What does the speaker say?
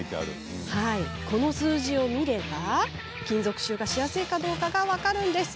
この数字を見れば、金属臭がしやすいかどうかが分かるんです。